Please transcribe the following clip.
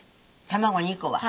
卵２個は？